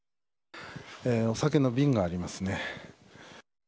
お酒の瓶がありますね。